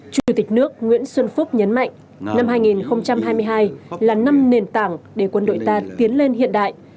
chủ tịch nước nguyễn xuân phúc nhấn mạnh năm hai nghìn hai mươi hai là năm nền tảng để quân đội ta tiến lên hiện đại